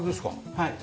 はい。